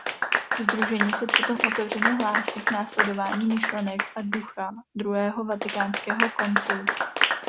Sdružení se přitom otevřeně hlásí k následování myšlenek a ducha Druhého vatikánského koncilu.